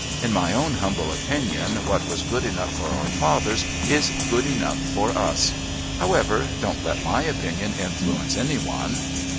In my own humble opinion what was good enough for our fathers is good enough for us. However, don't let my opinion influence any one."